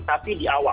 tapi di awal